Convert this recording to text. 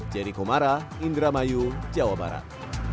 jericho mara indramayu jawa barat